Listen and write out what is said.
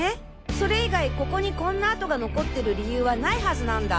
それ以外ここにこんな痕が残ってる理由は無いはずなんだ。